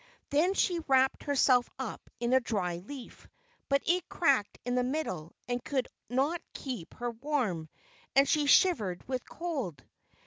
Then she wrapped herself up in a dry leaf, but it cracked in the middle and could not keep her warm, and she shivered with cold.